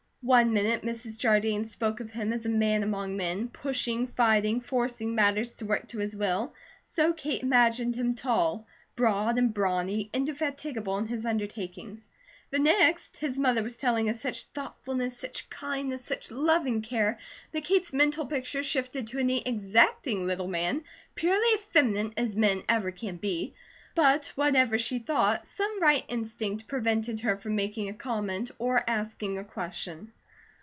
One minute Mrs. Jardine spoke of him as a man among men, pushing, fighting, forcing matters to work to his will, so Kate imagined him tall, broad, and brawny, indefatigable in his undertakings; the next, his mother was telling of such thoughtfulness, such kindness, such loving care that Kate's mental picture shifted to a neat, exacting little man, purely effeminate as men ever can be; but whatever she thought, some right instinct prevented her from making a comment or asking a question.